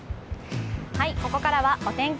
ここからはお天気